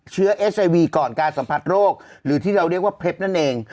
เอสไอวีก่อนการสัมผัสโรคหรือที่เราเรียกว่าเพชรนั่นเอง